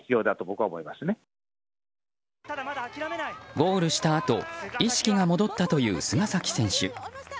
ゴールしたあと意識が戻ったという菅崎選手。